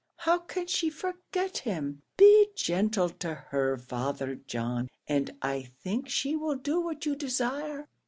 How can she forget him? Be gentle to her, Father John, and I think she will do what you desire."